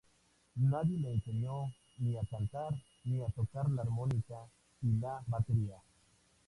Nadie le enseñó ni a cantar ni a tocar la armónica y la batería.